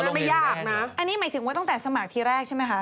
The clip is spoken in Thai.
ไม่ยากนะอันนี้หมายถึงว่าตั้งแต่สมัครทีแรกใช่ไหมคะ